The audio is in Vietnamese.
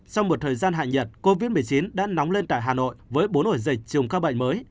sau một thời gian hạn nhật covid một mươi chín đã nóng lên tại hà nội với bốn ổ dịch trùng các bệnh mới